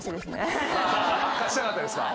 勝ちたかったですか？